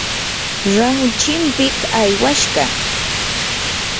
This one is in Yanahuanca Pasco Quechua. rahu chimpiq aywashqa.